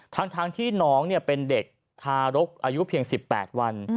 ทั้งที่น้องเป็นเด็กทารกอายุเพียง๑๘วัน